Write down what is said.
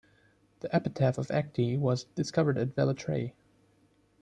The epitaph of Acte was discovered at Velitrae.